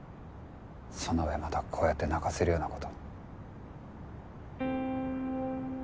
そのうえまたこうやって泣かせるようなこと